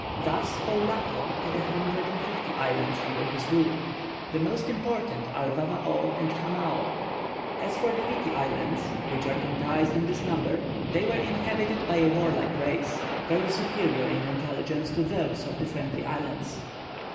Thus Poulaho had a hundred and fifty islands under his rule. The most important are Vavao and Hamao. As for the Viti Islands, which are comprised in this number, they were inhabited by a warlike race, very superior in intelligence to those of the Friendly Islands.